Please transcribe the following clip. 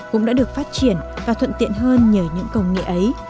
cũng đã được phát triển và thuận tiện hơn nhờ những công nghệ ấy